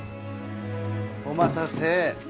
お待たせ。